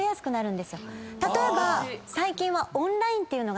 例えば最近は。